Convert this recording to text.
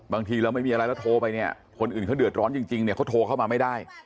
บางทีเราไม่มีอะไรแล้วโทรไปเนี่ยคนอื่นเขาเดือดร้อนจริงเนี่ยเขาโทรเข้ามาไม่ได้